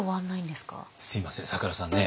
すみません咲楽さんね